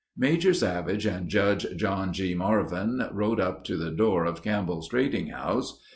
Major Savage and Judge John G. Marvin rode up to the door of Campbell's trading house.